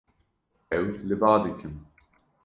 Ew li ba dikin.